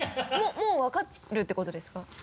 もう分かるってことですか？